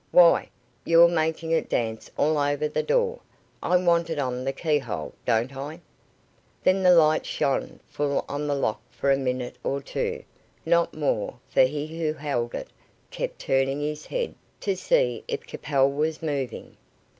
"Why, you're making it dance all over the door. I want it on the key hole, don't I?" Then the light shone full on the lock for a minute or two, not more, for he who held it kept turning his head to see if Capel was moving.